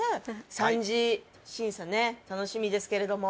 三次審査ね楽しみですけれども。